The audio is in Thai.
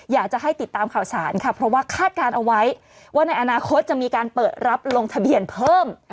อยากจะให้ติดตามข่าวสารค่ะเพราะว่าคาดการณ์เอาไว้ว่าในอนาคตจะมีการเปิดรับลงทะเบียนเพิ่ม